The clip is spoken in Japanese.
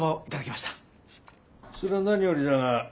それは何よりだが。